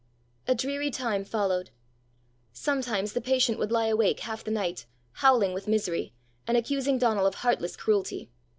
A dreary time followed. Sometimes the patient would lie awake half the night, howling with misery, and accusing Donal of heartless cruelty.